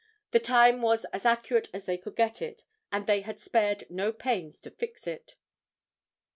The time was as accurate as they could get it, and they had spared no pains to fix it.